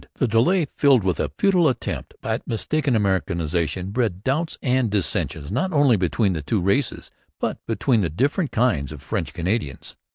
The delay, filled with a futile attempt at mistaken Americanization, bred doubts and dissensions not only between the two races but between the different kinds of French Canadians.